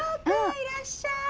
いらっしゃい。